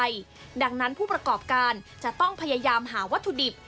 ที่เปลี่ยนไปดังนั้นผู้ประกอบการจะต้องพยายามหาวัตถุดิบ